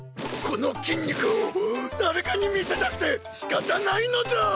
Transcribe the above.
この筋肉を誰かに見せたくてしかたないのだ！